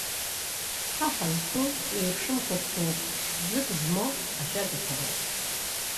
Ҳа ҳазҿу еиԥшымкәа хә-хьӡык змоу ашәагақәа роуп.